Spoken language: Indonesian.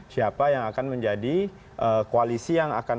siapa yang akan menjadi koalisi yang akan